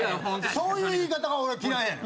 そういう言い方が俺嫌いやねん。